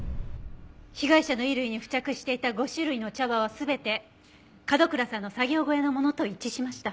被害者の衣類に付着していた５種類の茶葉は全て角倉さんの作業小屋のものと一致しました。